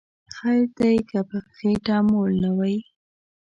خیر دی که په خیټه موړ نه وی